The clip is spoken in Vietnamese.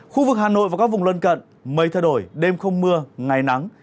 khu vực hà nội và các vùng lân cận mây thay đổi đêm không mưa ngày nắng